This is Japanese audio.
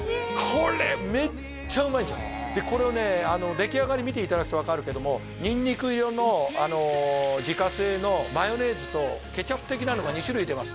これねめっちゃうまいんですよでこれをね出来上がり見ていただくと分かるけどもにんにく色の自家製のマヨネーズとケチャップ的なのが２種類出ます